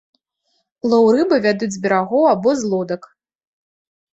Лоў рыбы вядуць з берагоў або з лодак.